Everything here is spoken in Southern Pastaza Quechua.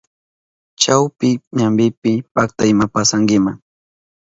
Chawpi ñampipi pakta ima pasankima.